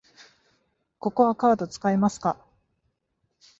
ここはカード使えますか？